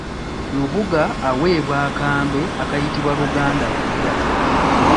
Lubuga aweebwa akambe akayitibwa lugandakulya.